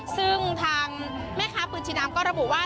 ซึ่งทางแม่ค้าปืนชีดำก็ระบุว่า